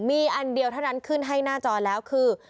มีอันเดียวเท่านั้นขึ้นให้หน้าจอแล้วคือ